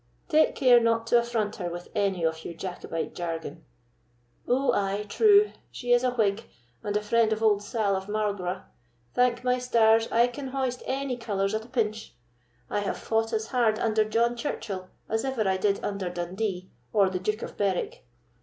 Take care not to affront her with any of your Jacobite jargon." "Oh, ay, true—she is a Whig, and a friend of old Sall of Marlborough; thank my stars, I can hoist any colours at a pinch! I have fought as hard under John Churchill as ever I did under Dundee or the Duke of Berwick."